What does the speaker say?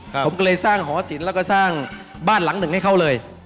ผมก็เลยสร้างหอศิลปแล้วก็สร้างบ้านหลังหนึ่งให้เขาเลย